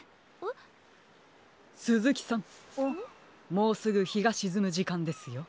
もうすぐひがしずむじかんですよ。